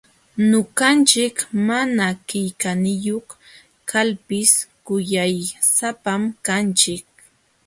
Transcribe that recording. Ñuqanchik mana qillayniyuq kalpis kuyaysapam kanchik.